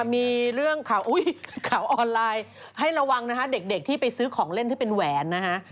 มีเรื่องข่าวออนไลน์ให้ระวังนะคะเด็กที่ไปซื้อของเล่นที่เป็นแหวนนะฮะ